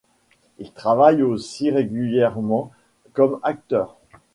Il travaille aussi régulièrement comme acteur.